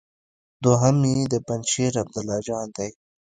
دوهم يې د پنجشېر عبدالله جان دی.